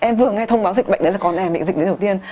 em vừa nghe thông báo dịch bệnh đấy là con em bị dịch đến đầu tiên